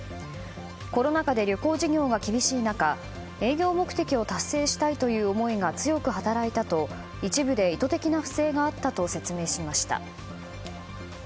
コロナ禍で旅行事業が厳しい中営業目標を達成したいという思いが強く働いたと一部で意図的な不正があったと説明しました。